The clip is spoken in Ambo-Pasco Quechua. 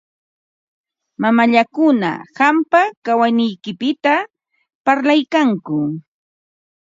Mamallakuna qampa kawayniykipita parlaykanku.